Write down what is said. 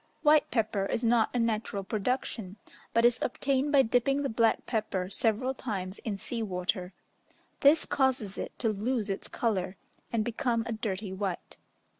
White pepper is not a natural production, but is obtained by dipping the black pepper several times in sea water: this causes it to lose its colour, and become a dirty white.